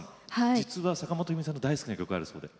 実は坂本冬美さんの大好きな曲があるそうで。